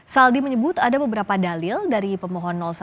saldi menyebut ada beberapa dalil dari pemohon satu